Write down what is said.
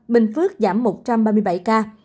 bình phước giảm một trăm ba mươi bảy ca